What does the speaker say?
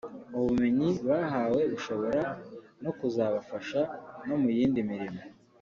ubumenyi bahawe bushobora no kuzabafasha no mu yindi mirimo